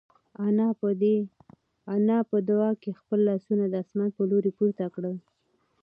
انا په دعا کې خپل لاسونه د اسمان په لور پورته کړل.